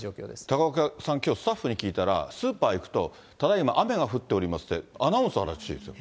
高岡さん、きょう、スタッフに聞いたら、スーパー行くと、ただいま雨が降っておりますって、アナウンスがあるらしいですよ。